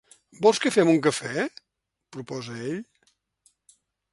Vols que fem un cafè? —proposa ell.